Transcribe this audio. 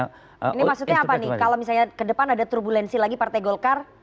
ini maksudnya apa nih kalau misalnya ke depan ada turbulensi lagi partai golkar